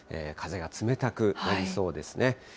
風が冷たくなりそうですね。